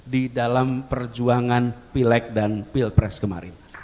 di dalam perjuangan pileg dan pilpres kemarin